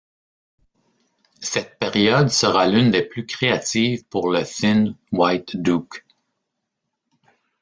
Cette période sera l'une des plus créatives pour le Thin White Duke.